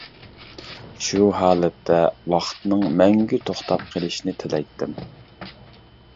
شۇ ھالەتتە ۋاقىتنىڭ مەڭگۈ توختاپ قېلىشىنى تىلەيتتىم.